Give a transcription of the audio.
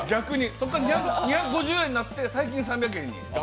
そこから２５０円になって、最近３００円に。